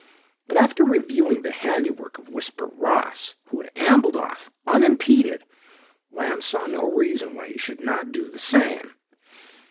But after reviewing the handiwork of Whisper Ross who had ambled off unimpeded Lamb saw no reason why he should not do the same.